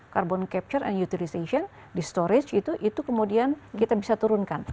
carbon capture and utinization di storage itu kemudian kita bisa turunkan